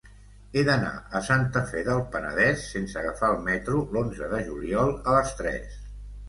He d'anar a Santa Fe del Penedès sense agafar el metro l'onze de juliol a les tres.